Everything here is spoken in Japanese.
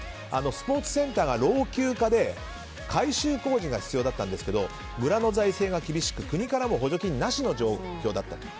スポーツセンターが老朽化で改修工事が必要だったんですけど村の財政が厳しく国からの補助金もなしの状況だった。